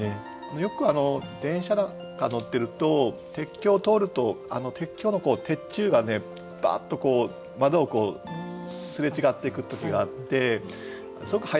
よく電車なんか乗ってると鉄橋を通ると鉄橋の鉄柱がバーッと窓をすれ違っていく時があってすごく迅いんですよね。